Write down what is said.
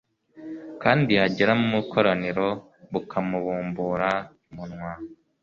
kandi yagera mu ikoraniro, bukamubumbura umunwa